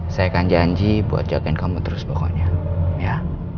saya akan janji buat jagain kamu terus pokoknya ya